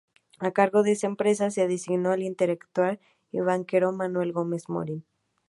A cargo de esta empresa se designó al intelectual y banquero Manuel Gómez Morin.